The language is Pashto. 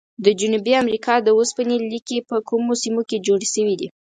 د جنوبي امریکا د اوسپنې لیکي په کومو سیمو کې جوړې شوي دي؟